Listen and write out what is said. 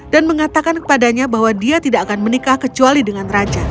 dan mengatakan kepadanya bahwa dia tidak akan menikah kecuali dengan raja